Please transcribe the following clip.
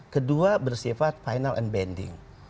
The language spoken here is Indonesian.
kedua bersifat final and bending